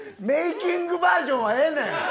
メイキングバージョンはええねん！